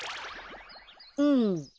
うん。